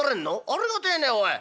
ありがてえねおい。